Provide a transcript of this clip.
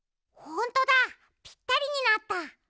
ほんとだぴったりになった！